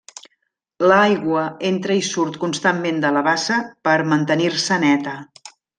L'aigua entra i surt constantment de la bassa per mantenir-se neta.